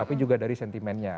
tapi juga dari sentimennya